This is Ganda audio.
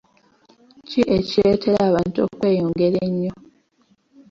Ki ekireetera abantu okweyongera ennyo?